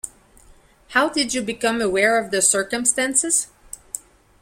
How did you become aware of the circumstance?